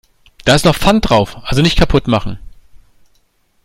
Da ist noch Pfand drauf, also nicht kaputt machen.